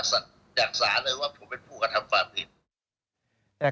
จากศาลเลยว่าผมเป็นผู้กระทำความผิดแต่